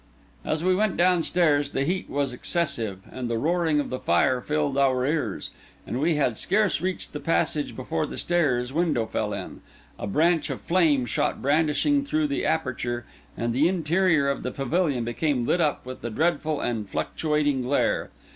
As we went downstairs the heat was excessive, and the roaring of the fire filled our ears; and we had scarce reached the passage before the stairs window fell in, a branch of flame shot brandishing through the aperture, and the interior of the pavilion became lit up with that dreadful and fluctuating glare.